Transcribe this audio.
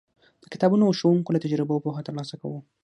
د کتابونو او ښوونکو له تجربو پوهه ترلاسه کوو.